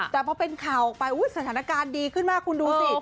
แต่พอเป็นข่าวออกไปสถานการณ์ดีขึ้นมากคุณดูสิ